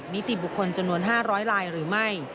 นิติบุคคลจำนวน๕๐๐ลายหรือไม่